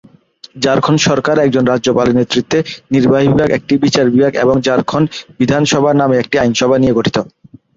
ঝাড়খণ্ড সরকার একজন রাজ্যপালের নেতৃত্বে নির্বাহী বিভাগ, একটি বিচার বিভাগ এবং ঝাড়খণ্ড বিধানসভা নামে একটি আইনসভা নিয়ে গঠিত।